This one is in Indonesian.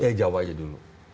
ya jawa aja dulu